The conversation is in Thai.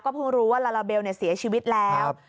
เพิ่งรู้ว่าลาลาเบลเสียชีวิตแล้ว